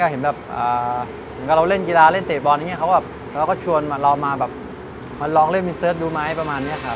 เห็นแบบเราเล่นกีฬาเล่นเตะบอลเขาก็ชวนเรามาลองเล่นวินเสิร์ชดูไม้ประมาณนี้ครับ